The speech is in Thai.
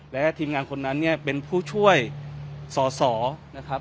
และทีมงานคนนั้นเนี่ยเป็นผู้ช่วยสอสอนะครับ